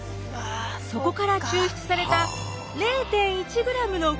そこから抽出された０．１ｇの結晶。